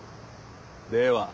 では。